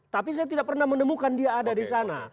tapi saya tidak pernah menemukan dia ada disana